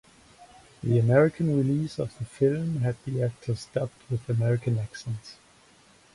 The American release of the film had the actors dubbed with American accents.